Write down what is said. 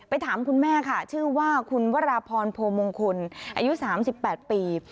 ไปถามคุณแม่ค่ะชื่อว่าคุณวรพรโพมงคลอายุสามสิบแปดปี